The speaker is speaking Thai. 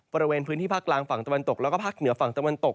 บริเวณพื้นที่ภาคกลางฝั่งตะวันตกแล้วก็ภาคเหนือฝั่งตะวันตก